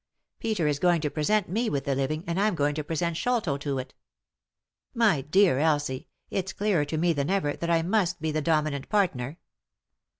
Peter is going to present me with the living, and I'm going to present Sholto to it. My dear Elsie, it's clearer to me than ever that I must be the dominant partner.